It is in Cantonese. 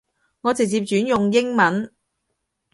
我直接轉用英文